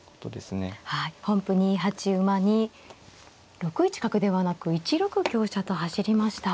本譜２八馬に６一角ではなく１六香車と走りました。